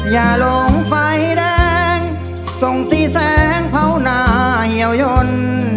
หลงไฟแดงส่งสีแสงเผาหน้าเหี่ยวยน